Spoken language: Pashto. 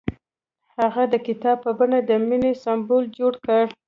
هغه د کتاب په بڼه د مینې سمبول جوړ کړ.